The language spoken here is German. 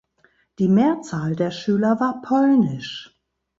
Die Mehrzahl der Schüler war polnisch.